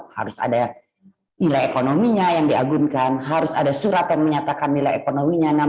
harus ada nilai ekonominya yang diagunkan harus ada surat yang menyatakan nilai ekonominya